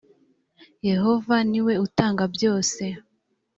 yehova ni we utanga byose